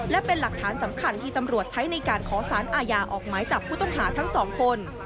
และเป็นหลักฐานสำคัญที่ตำรวจใช้ในการขอสารอาญาออกหมายจับผู้ต้องหาทั้งสองคน